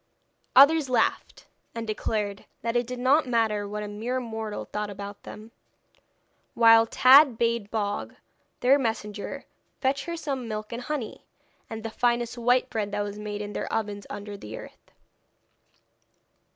Others laughed, and declared that it did not matter what a mere mortal thought about them; while Tad bade Bog, their messenger, fetch her some milk and honey, and the finest white bread that was made in their ovens under the earth.